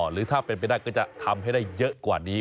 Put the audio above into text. หรือถ้าเป็นไปได้ก็จะทำให้ได้เยอะกว่านี้